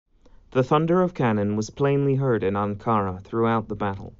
The thunder of cannon was plainly heard in Ankara throughout the battle.